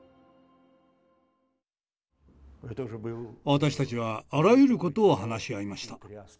私たちはあらゆることを話し合いました。